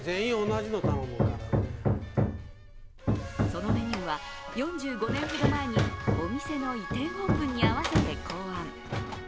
そのメニューは、４５年ほど前にお店の移転オープンに合わせて考案。